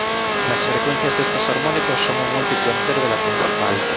Las frecuencias de estos armónicos son un múltiplo entero de la principal.